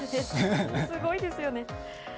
すごいですよね。